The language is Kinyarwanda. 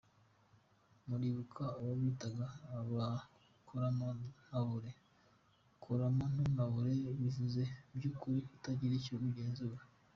Muribuka abo bitaga ba ‘koramontabure’, koramontabure bivuze mu by’ukuri kutagira icyo ugenzura.